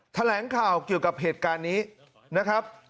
แถลงข่าวเกี่ยวกับเหตุการณ์นี้นะครับ